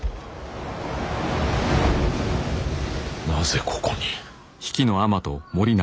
なぜここに。